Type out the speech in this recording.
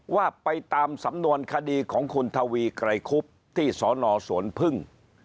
ว่าไปตามสำนวนคดีของคุณทวีไกรคุบที่สนสวนพึ่ง